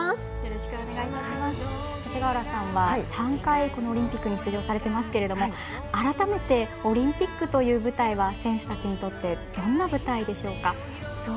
勅使川原さんは３回オリンピックに出場されていますけれども改めてオリンピックという舞台は選手たちにとってどんな舞台でしょうか？